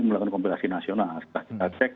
melakukan kompilasi nasional setelah kita cek